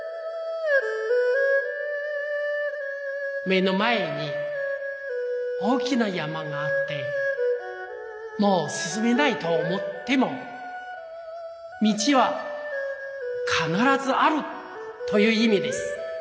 目の前に大きな山があってもうすすめないと思っても「道は必ずある」といういみです。